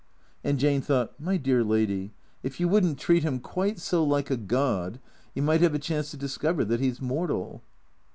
And Jane thought, " My dear lady, if you would n't treat him quite so like a god, he might have a chance to discover that he 's mortal."